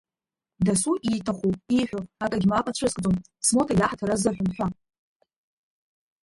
Дасу ииҭаху, ииҳәо акагь мап ацәыскӡом, смоҭа иаҳаҭыр азыҳәан ҳәа.